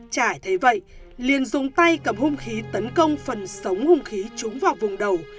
trải thấy vậy liền dùng tay cầm hung khí tấn công phần sống hung khí trúng vào vùng đầu